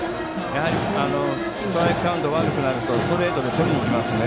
ストライクカウントが悪くなるとストレートでとりにきますので。